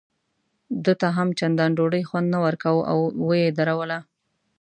ده ته هم چندان ډوډۍ خوند نه ورکاوه او یې ودروله.